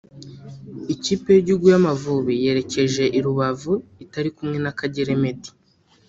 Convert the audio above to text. Ikipe y’igihugu y’Amavubi yerekeje i Rubavu itari kumwe na Kagere Meddie